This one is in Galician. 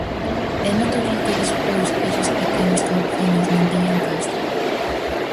É natural que despois eses pequenos canciños non teñan casa?